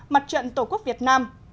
hai mặt trận tổ quốc việt nam